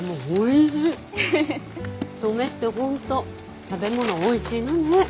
登米って本当食べ物おいしいのねえ。